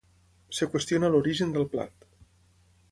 Es qüestiona l'origen del plat.